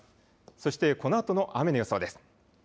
そして、このあとの雨の予想です。